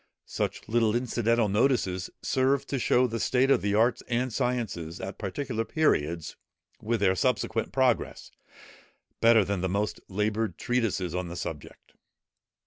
Such little incidental notices serve to show the state of the arts and sciences at particular periods, with their subsequent progress, better than the most laboured treatises on the subject.